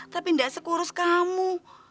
tapi nggak sekurus kamu